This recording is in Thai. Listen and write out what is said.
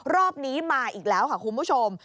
รอบนี้มาอีกแล้วค่ะคุณผู้ชม